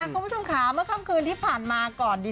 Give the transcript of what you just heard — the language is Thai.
คุณผู้ชมค่ะเมื่อค่ำคืนที่ผ่านมาก่อนดี